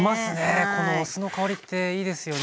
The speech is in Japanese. このお酢の香りっていいですよね。